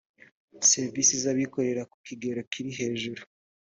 serivisi z abikorera ku kigero kiri hejuru